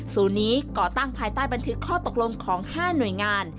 นี้ก่อตั้งภายใต้บันทึกข้อตกลงของ๕หน่วยงาน